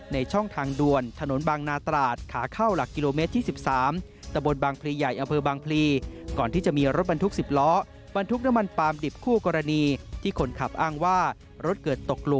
ในช่องทางด่วนถนนบางนาตราด